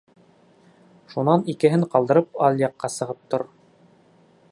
Шунан икеһен ҡалдырып алъяҡҡа сығып тор.